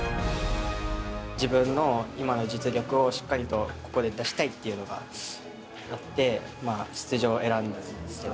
自分の今の実力をしっかりとここで出したいっていうのがあって、出場を選んだんですけど。